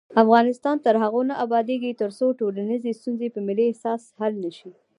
افغانستان تر هغو نه ابادیږي، ترڅو ټولنیزې ستونزې په ملي احساس حل نشي.